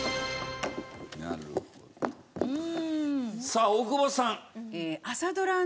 さあ大久保さん。